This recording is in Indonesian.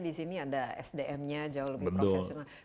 disini ada sdm nya jauh lebih profesional